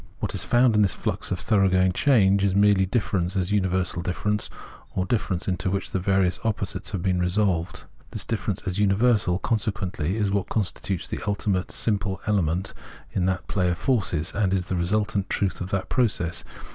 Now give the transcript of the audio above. What is found in this flux of thoroughgoing change is merely difference as universal difference, or difference into which the various opposites have been resolved. This difference as universal, consequently, is what constitutes the ultimate simple element in that play of forces, and is the resultant truth of that process.